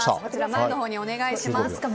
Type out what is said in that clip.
前のほうにお願いします。